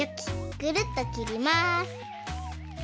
ぐるっときります。